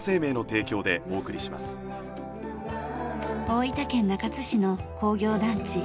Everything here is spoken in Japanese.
大分県中津市の工業団地。